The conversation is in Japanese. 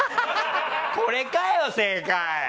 これかよ、正解！